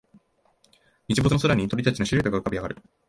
日没の空に鳥たちのシルエットが浮かび上がる